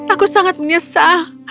aku sangat menyesal